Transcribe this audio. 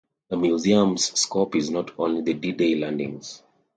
The museum's scope is not only the D-Day landings.